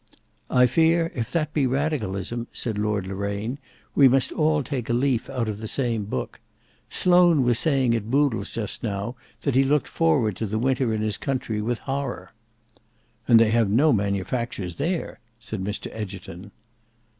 "I fear, if that be radicalism," said Lord Loraine, "we must all take a leaf out of the same book. Sloane was saying at Boodle's just now that he looked forward to the winter in his country with horror." "And they have no manufactures there," said Mr Egerton.